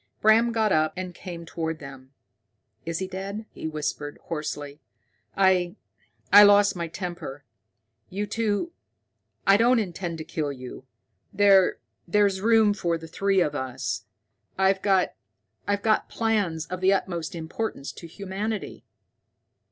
Bram got up and came toward them. "Is he dead?" he whispered hoarsely. "I I lost my temper. You two I don't intend to kill you. There there's room for the three of us. I've got plans of the utmost importance to humanity."